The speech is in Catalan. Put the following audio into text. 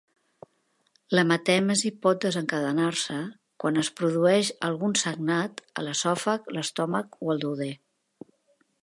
L'hematèmesi pot desencadenar-se quan es produeix algun sagnat a l'esòfag, l'estómac o el duodè.